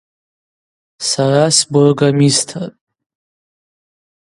Сара сбургомистрпӏ.